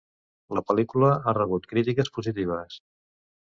La pel·lícula ha rebut crítiques positives.